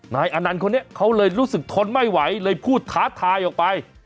นายอนันต์คนนี้เขาเลยรู้สึกทนไม่ไหวเลยพูดท้าทายออกไป